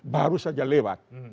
baru saja lewat